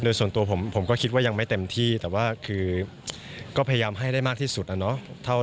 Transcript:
โดยส่วนตัวผมผมก็คิดว่ายังไม่เต็มที่แต่ว่าคือก็พยายามให้ได้มากที่สุดอะเนาะ